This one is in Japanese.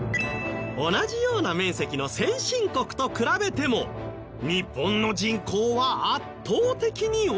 同じような面積の先進国と比べても日本の人口は圧倒的に多いんです。